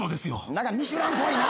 何か『ミシュラン』っぽいな。